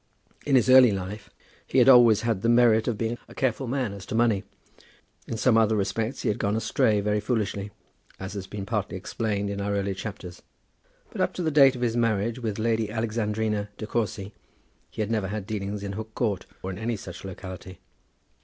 In his early life he had always had the merit of being a careful man as to money. In some other respects he had gone astray very foolishly, as has been partly explained in our earlier chapters; but up to the date of his marriage with Lady Alexandrina De Courcy he had never had dealings in Hook Court or in any such locality.